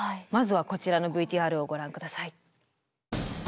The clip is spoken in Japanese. まずはこちらのＶＴＲをご覧下さい。